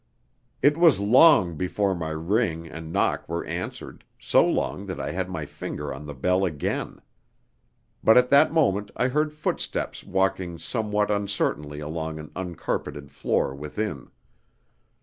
It was long before my ring and knock were answered, so long that I had my finger on the bell again. But at that moment I heard footsteps walking somewhat uncertainly along an uncarpeted floor within.